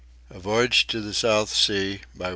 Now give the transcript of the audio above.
A VOYAGE TO THE SOUTH SEAS, ETC.